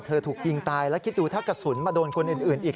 ถูกยิงตายแล้วคิดดูถ้ากระสุนมาโดนคนอื่นอีก